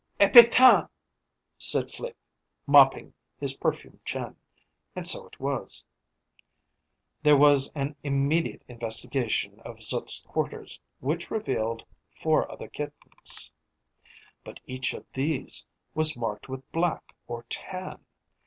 "Epatant!" said Flique, mopping his perfumed chin. And so it was. There was an immediate investigation of Zut's quarters, which revealed four other kittens, but each of these was marked with black or tan.